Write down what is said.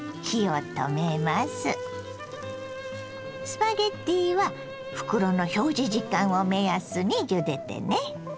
スパゲッティは袋の表示時間を目安にゆでてね。